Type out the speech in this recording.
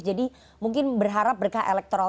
jadi mungkin berharap berkah elektoral